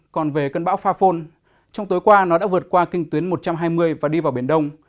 còn về cơn bão pha phôn trong tối qua nó đã vượt qua kinh tuyến một trăm hai mươi và đi vào biển đông